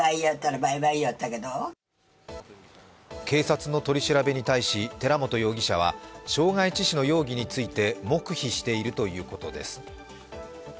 警察の取り調べに対し寺本容疑者は傷害致死の容疑について黙秘しているということです。